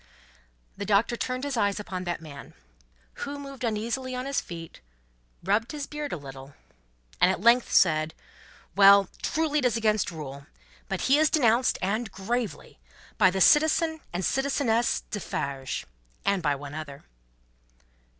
The Doctor turned his eyes upon that man. Who moved uneasily on his feet, rubbed his beard a little, and at length said: "Well! Truly it is against rule. But he is denounced and gravely by the Citizen and Citizeness Defarge. And by one other."